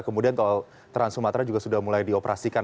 kemudian tol trans sumatera juga sudah mulai dioperasikan